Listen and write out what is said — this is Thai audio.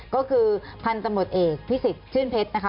ก็คือพันธุ์ตำรวจเอกพิสิทธิชื่นเพชรนะคะ